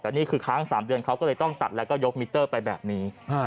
แต่นี่คือค้าง๓เดือนเขาก็เลยต้องตัดแล้วก็ยกมิเตอร์ไปแบบนี้